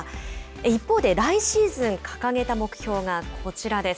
一方で来シーズン掲げた目標がこちらです。